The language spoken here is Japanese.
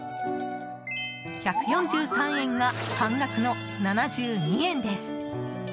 １４３円が半額の７２円です。